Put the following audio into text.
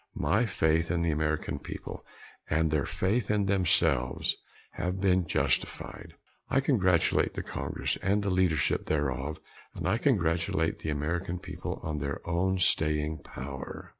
My faith in the American people and their faith in themselves have been justified. I congratulate the Congress and the leadership thereof and I congratulate the American people on their own staying power.